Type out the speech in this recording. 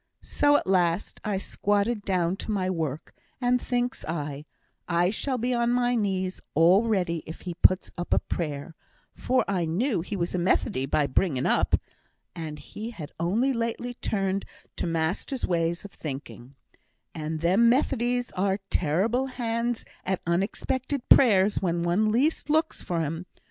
So at last I squatted down to my work, and thinks I, I shall be on my knees all ready if he puts up a prayer, for I knew he was a Methodee by bringing up, and had only lately turned to master's way of thinking; and them Methodees are terrible hands at unexpected prayers when one least looks for 'em.